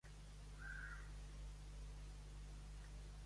Per a obtenir més informació, veja Usar una connexió d'administrador dedicada.